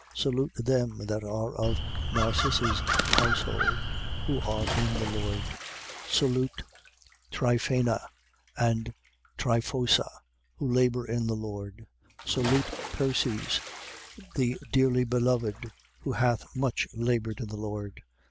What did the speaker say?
Salute them that are of Narcissus' household, who are in the Lord. 16:12. Salute Tryphaena and Tryphosa, who labour in the Lord. Salute Persis, the dearly beloved, who hath much laboured in the Lord.